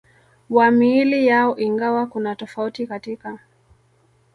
wa miili yao ingawa kuna tofauti katika